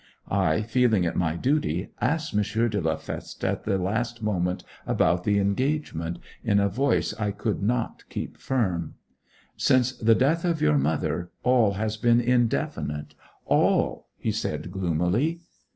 I, feeling it my duty, asked M. de la Feste at the last moment about the engagement, in a voice I could not keep firm. 'Since the death of your mother all has been indefinite all!' he said gloomily.